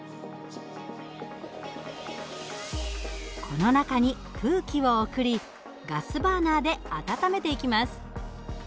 この中に空気を送りガスバーナーで温めていきます。